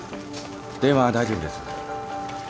電話大丈夫です。